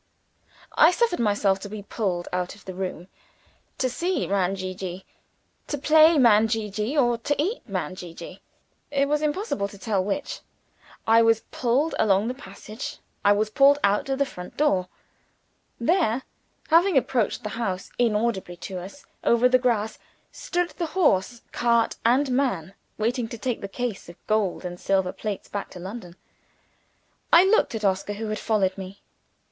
I suffered myself to be pulled out of the room to see "Man Gee gee," to play "Man Gee gee," or to eat "Man Gee gee," it was impossible to tell which. I was pulled along the passage I was pulled out to the front door. There having approached the house inaudibly to us, over the grass stood the horse, cart, and man, waiting to take the case of gold and silver plates back to London. I looked at Oscar, who had followed me.